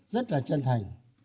rất là chân thành